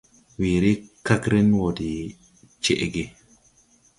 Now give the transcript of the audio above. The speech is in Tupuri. Weere kagren wɔ de cɛʼge.